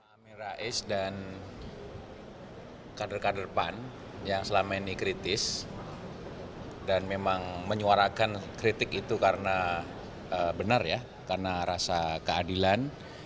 pak amin rais dan kader kader pan yang selama ini kritis dan memang menyuarakan kritik itu karena benar ya karena rasa keadilan